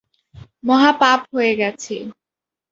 মহা পাপ হয়ে গেছে।